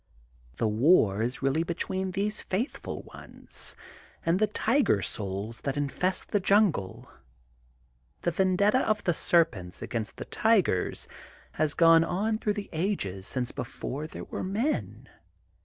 The war is really between these faithful ones and the tiger souls that infest the jungle. The vendetta of the serpents against the tigers has gone on through the ages since before there were men.